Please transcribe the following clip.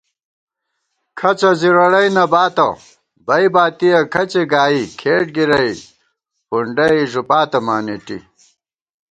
کھڅہ زِرَڑَئی نہ باتہ بئ باتِیَہ کھڅےگائی، کھېٹ گِرَئی فُنڈئی ݫُپاتہ مانېٹی